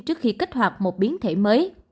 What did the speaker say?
trước khi kết hoạt một biến thể mới